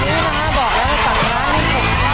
ลองกลับส่อง